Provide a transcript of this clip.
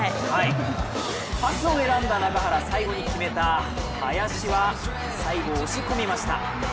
パスを選んだ中原、最後に決めた林は最後、押し込みました。